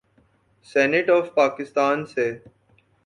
Senate of Pakistan سے۔